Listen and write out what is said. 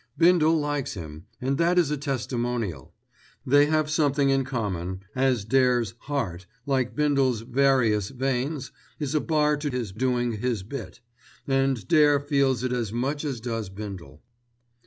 Bindle likes him, and that is a testimonial. They have something in common, as Dare's heart, like Bindle's "various" veins, is a bar to his doing his bit, and Dare feels it as much as does Bindle.